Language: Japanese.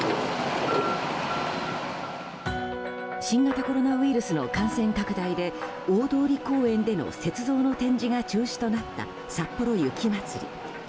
新型コロナウイルスの感染拡大で、大通公園での雪像の展示が中止となったさっぽろ雪まつり。